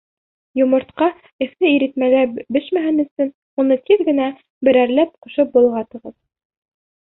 Йомортҡа эҫе иретмәлә бешмәһен өсөн, уны тиҙ генә берәрләп ҡушып болғатығыҙ.